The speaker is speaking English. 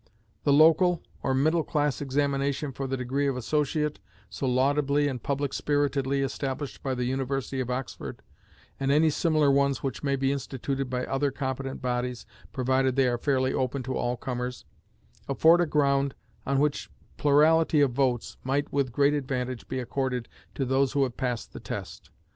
The "local" or "middle class" examination for the degree of associate, so laudably and public spiritedly established by the University of Oxford, and any similar ones which may be instituted by other competent bodies (provided they are fairly open to all comers), afford a ground on which plurality of votes might with great advantage be accorded to those who have passed the test.